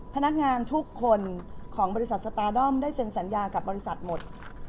พนักงานทุกคนของบริษัทสตาร์ดอมได้เซ็นสัญญากับบริษัทหมด